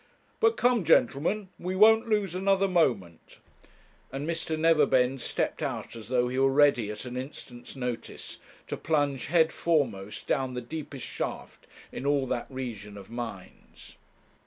But come, gentlemen, we won't lose another moment,' and Mr. Neverbend stepped out as though he were ready at an instant's notice to plunge head foremost down the deepest shaft in all that region of mines.